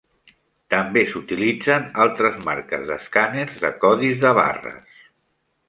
També s'utilitzen altres marques d'escàners de codis de barres.